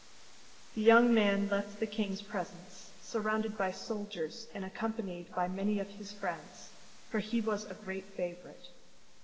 The young man left the king's presence, surrounded by soldiers, and accompanied by many of his friends, for he was a great favourite.